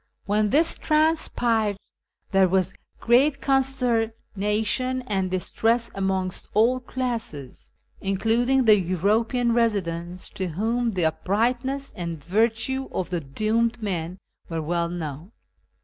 When this transpired there was great consternation and distress amongst all classes, including the European residents, to whom the uprightness and virtue of the doomed men were well known.